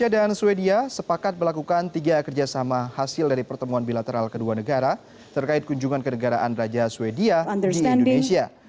raja dan ratu swedia sepakat melakukan tiga kerjasama hasil dari pertemuan bilateral kedua negara terkait kunjungan kenegaraan raja swedia di indonesia